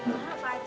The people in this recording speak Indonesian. hah apa aja